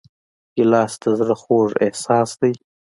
ګیلاس د زړه خوږ احساس دی.